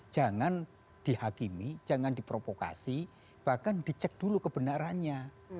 jangan dihakimi jangan diprovokasi bahkan dicek dulu kebenarannya